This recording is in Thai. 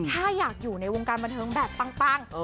ถ้าอยากอยู่ในวงการบันเทิงแบบปัง